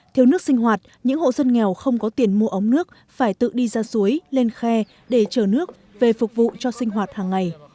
thiếu nước sinh hoạt những hộ dân nghèo không có tiền mua ống nước phải tự đi ra suối lên khe để chở nước về phục vụ cho sinh hoạt hàng ngày